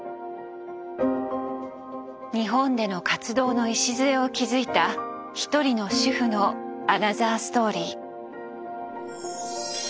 日本での活動の礎を築いた一人の主婦のアナザーストーリー。